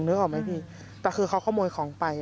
นึกออกไหมพี่แต่คือเขาขโมยของไป